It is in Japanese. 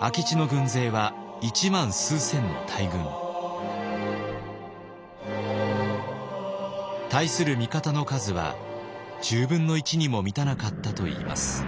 明智の軍勢は一万数千の大軍。対する味方の数は１０分の１にも満たなかったといいます。